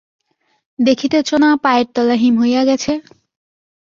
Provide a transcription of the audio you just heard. দেখিতেছ না পায়ের তলা হিম হইয়া গেছে।